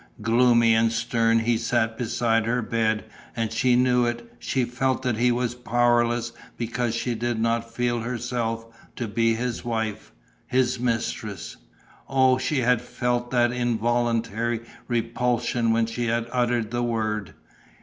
Gloomy and stern he sat beside her bed; and she knew it, he felt that he was powerless because she did not feel herself to be his wife. His mistress!... Oh, she had felt that involuntary repulsion when she had uttered the word!